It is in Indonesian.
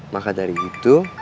nah dari itu